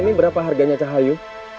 ini berapa harganya cahayu